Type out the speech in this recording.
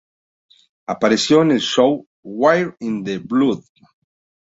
Apareció en el show "Wire in the Blood.